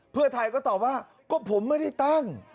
เพื่อไทยก็ตอบว่าก็ผมไม่ได้ตั้ง